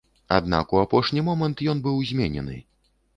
Аднак у апошні момант ён быў зменены.